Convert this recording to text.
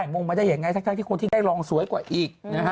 มงมาได้ยังไงทั้งที่คนที่ได้ลองสวยกว่าอีก